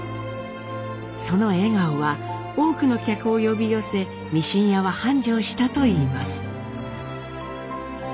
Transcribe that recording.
その笑顔は多くの客を呼び寄せミシン屋は繁盛したといいます。